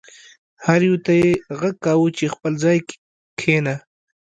هر یو ته یې غږ کاوه چې خپل ځای کې کښېنه.